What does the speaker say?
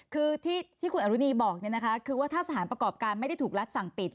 คือที่คุณอรุณีบอกคือว่าถ้าสถานประกอบการไม่ได้ถูกรัฐสั่งปิด